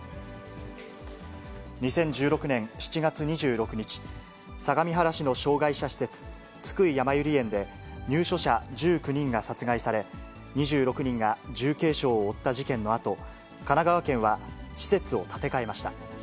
２０１６年７月２６日、相模原市の障がい者施設、津久井やまゆり園で、入所者１９人が殺害され、２６人が重軽傷を負った事件のあと、神奈川県は施設を建て替えました。